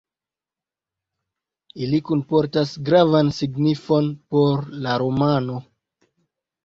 Ili kunportas gravan signifon por la romano.